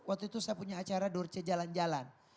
waktu itu saya punya acara dorce jalan jalan